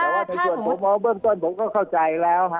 เหมือนเรื่องตรงผมก็เข้าใจแล้ว